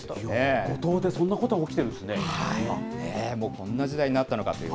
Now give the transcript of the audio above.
五島でそんなことが起きてるもうこんな時代になったのかと。